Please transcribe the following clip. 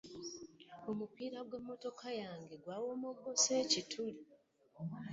omupiira gw'emmotoka yange gwawomoggoseemu ekituli.